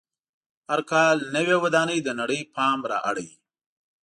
هر کال نوې ودانۍ د نړۍ پام را اړوي.